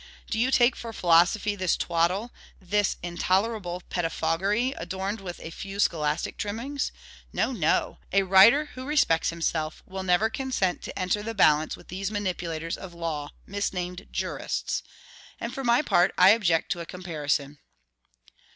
Do you take for philosophy this twaddle, this intolerable pettifoggery adorned with a few scholastic trimmings? No, no! a writer who respects himself, never will consent to enter the balance with these manipulators of law, misnamed JURISTS; and for my part I object to a comparison.